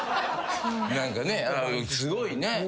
何かねすごいね。